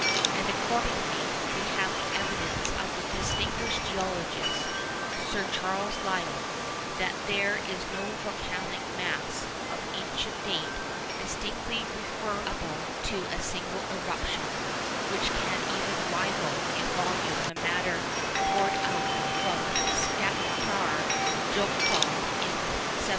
And accordingly, we have the evidence of the distinguished geologist, Sir Charles Lyell, that there is no volcanic mass 'of ancient date, distinctly referable to a single eruption, which can even rival in volume the matter poured out from Skaptâr Jokul in 1783.